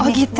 oh gitu ya